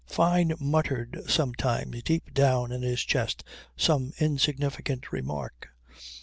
Fyne muttered sometimes deep down in his chest some insignificant remark.